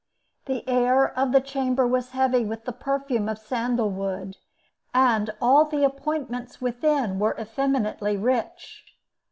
The air of the chamber was heavy with the perfume of sandal wood, and all the appointments within were effeminately rich.